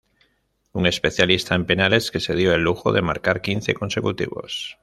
Un especialista en penales que se dio el lujo de marcar quince consecutivos.